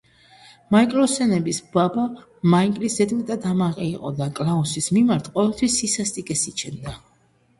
მაიკლსონების მამა მაიკლი ზედმეტად ამაყი იყო და კლაუსის მიმართ ყოველთვის სისასტიკეს იჩენდა.